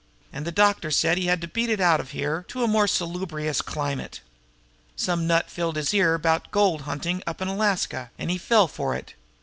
An' the doctor said he had to beat it out of here to a more salubrious climate. Some nut filled his ear full 'bout gold huntin' up in Alaska, an' he fell for it.